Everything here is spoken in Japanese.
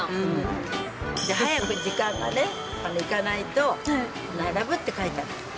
早く時間がね、行かないと並ぶって書いてあった。